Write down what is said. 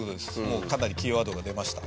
もうかなりキーワードが出ました。